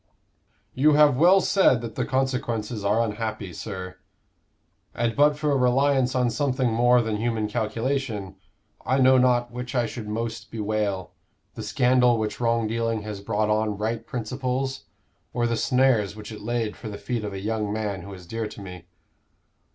"You have well said that the consequences are unhappy, sir. And but for a reliance on something more than human calculation, I know not which I should most bewail the scandal which wrong dealing has brought on right principles or the snares which it laid for the feet of a young man who is dear to me.